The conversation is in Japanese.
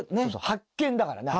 発見だからね。